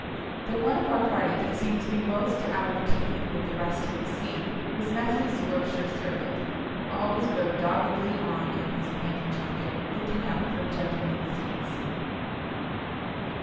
The one of our party that seemed to be most out of keeping with the rest of the scene was Methley's Yorkshire servant, who always rode doggedly on in his pantry jacket, looking out for "gentlemen's seats."